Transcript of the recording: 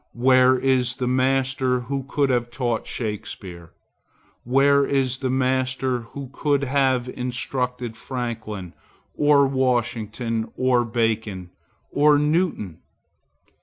Where is the master who could have taught Shakspeare? Where is the master who could have instructed Franklin, or Washington, or Bacon, or Newton?